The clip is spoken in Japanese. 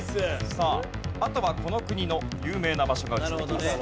さああとはこの国の有名な場所が映ってきます。